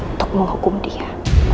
untuk menghukum dia